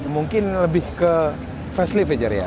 mungkin lebih ke facelift ya jerry ya